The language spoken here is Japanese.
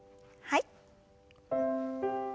はい。